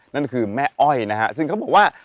นั่นคือแม่อ้อยนะฮะซึ่งเขาบอกว่า